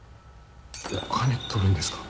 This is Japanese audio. お金取るんですか？